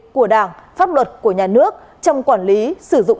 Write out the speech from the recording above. của đảng pháp luật của nhà nước trong quản lý sử dụng